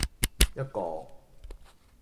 一個